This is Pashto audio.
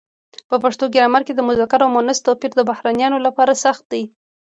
په پښتو ګرامر کې د مذکر او مونث توپیر د بهرنیانو لپاره سخت دی.